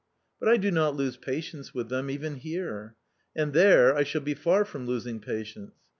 But I do not lose patience with them even here, and there I shall be far from losing patience.